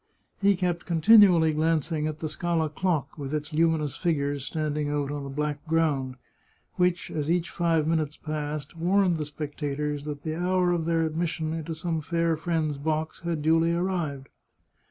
He kept con tinually glancing at the Scala clock, with its luminous figures standing out on a black ground, which, as each five minutes passed, warned the spectators that the hour of their admis sion into some fair friend's box had duly arrived.